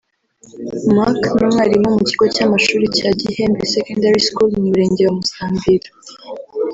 Marc ni umwarimu mu kigo cy’amashuri cya Gihembe Secondary School mu Murenge wa Musambira